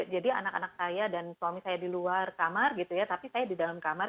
jadi anak anak saya dan suami saya di luar kamar gitu ya tapi saya di dalam kamar